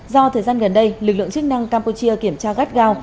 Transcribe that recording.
do thời gian gần đây lực lượng chức năng campuchia kiểm tra gắt gao